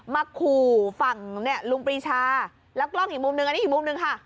มาขู่ฝั่งเนี่ยลุงปรีชาแล้วกล้องอีกมุมนึงอันนี้อีกมุมหนึ่งค่ะ